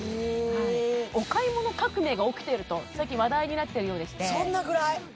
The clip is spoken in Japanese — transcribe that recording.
はいお買い物革命が起きていると最近話題になってるようでしてそんなぐらい？